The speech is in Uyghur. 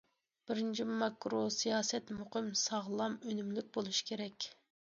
بىرىنچى، ماكرو سىياسەت مۇقىم، ساغلام، ئۈنۈملۈك بولۇشى كېرەك.